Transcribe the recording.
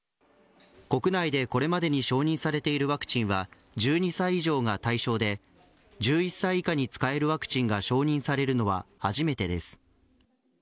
国内でこれまでに承認されているワクチンは１２歳以上が対象で１１歳以下に使えるワクチンが承認されるのは初めてです。